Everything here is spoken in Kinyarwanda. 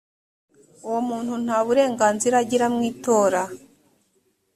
uwo muntu nta burenganzira agira mu itora